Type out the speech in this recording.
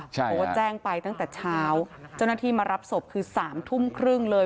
เพราะว่าแจ้งไปตั้งแต่เช้าเจ้าหน้าที่มารับศพคือ๓ทุ่มครึ่งเลย